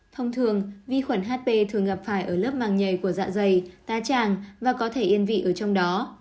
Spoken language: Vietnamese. thông thường vi khuẩn hp thường gặp phải ở lớp màng nhảy của dạ dày tá tràng và có thể yên vị ở trong đó